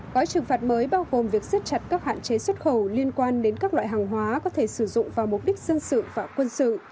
gói trừng phạt mới bao gồm việc xếp chặt các hạn chế xuất khẩu liên quan đến các loại hàng hóa có thể sử dụng vào mục đích dân sự và quân sự